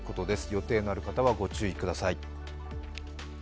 予定のある方はご注意ください。